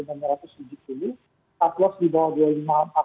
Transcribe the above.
card loss di bawah dua ribu lima ratus empat puluh